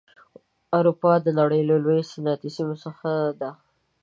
اروپا د نړۍ له لویو صنعتي سیمو څخه یوه ده.